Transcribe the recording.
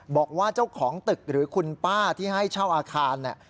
บอกว่าเจ้าของตึกหรือคุณป้าที่ให้เช่าอาคารเนี่ย